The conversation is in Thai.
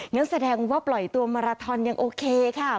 นั่นแสดงว่าปล่อยตัวมาราทอนยังโอเคค่ะ